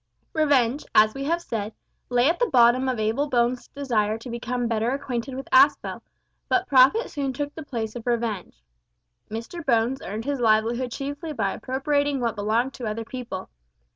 Revenge, as we have said, lay at the bottom of Abel Bones' desire to become better acquainted with Aspel, but profit soon took the place of revenge. Mr Bones earned his livelihood chiefly by appropriating what belonged to other people.